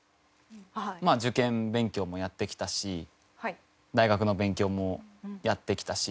まあ受験勉強もやってきたし大学の勉強もやってきたし。